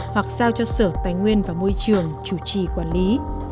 hoặc giao cho sở tài nguyên và môi trường chủ trì quản lý